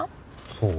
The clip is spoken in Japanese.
そう？